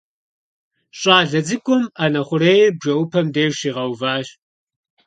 Щӏалэ цӏыкӏум ӏэнэ хъурейр бжэӏупэм деж щигъэуващ.